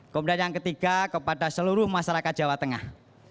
kemudian yang ketiga kepada seluruh masyarakat jawa tengah